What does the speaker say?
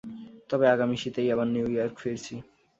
তবে আগামী শীতেই আবার নিউ ইয়র্কে ফিরছি।